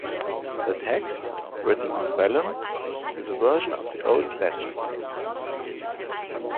The text, written on vellum, is a version of the old Latin.